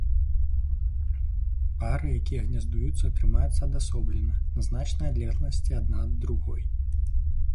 Пары, якія гняздуюцца, трымаюцца адасоблена на значнай адлегласці адна ад другой.